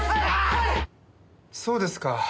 そうですか。